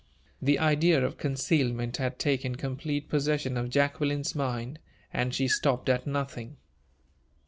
The idea of concealment had taken complete possession of Jacqueline's mind, and she stopped at nothing.